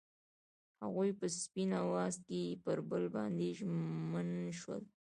هغوی په سپین اواز کې پر بل باندې ژمن شول.